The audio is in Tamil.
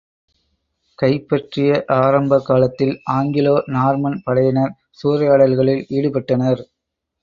கைப்பற்றிய ஆரம்ப காலத்தில் ஆங்கிலோ நார்மன் படையினர் சூறையாடல்களில் ஈடுபட்டனர்.